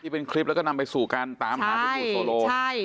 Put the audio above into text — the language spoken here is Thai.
เป็นคลิปแล้วก็นำไปสู่การตามหาพี่ปูโซโล